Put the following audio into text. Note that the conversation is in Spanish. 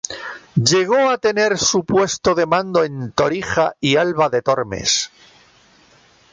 Llegó a tener su puesto de mando en Torija y Alba de Tormes.